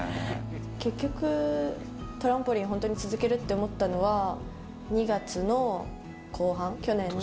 結局、トランポリンを本当に続けるって思ったのは、２月の後半、去年の。